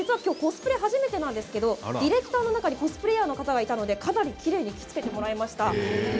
コスプレが初めてなんですがディレクターの中にコスプレーヤーがいたのでかなりきれいに着付けてもらいました。